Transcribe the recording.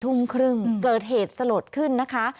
ทุ่มครึ่งเกิดเหตุสลดขึ้นนะคะ